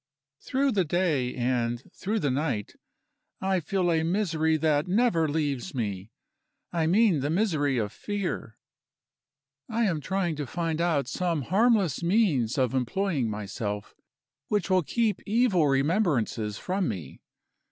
Through the day, and through the night, I feel a misery that never leaves me I mean the misery of fear. I am trying to find out some harmless means of employing myself, which will keep evil remembrances from me.